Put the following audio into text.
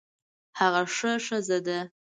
هغه ښه ښځه ده